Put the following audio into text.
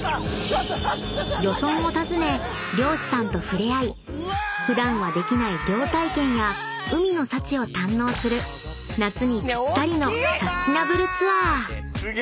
［漁村を訪ね漁師さんと触れ合い普段はできない漁体験や海の幸を堪能する夏にぴったりのサスティナブルツアー！］